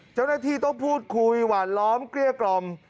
เจ้าหน้าที่ต้องพูดคุยหวานล้อมเกลี้ยกล่อม